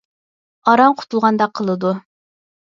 ئاران قۇتۇلغاندەك قىلىدۇ.